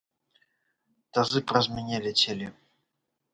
Тазы праз мяне ляцелі!